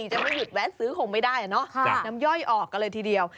จะไม่หยุดแวะซื้อคงไม่ได้เนอะน้ำย่อยออกกันเลยทีเดียว